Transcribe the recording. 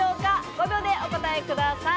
５秒でお答えください。